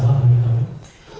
jadi tidak ada masalah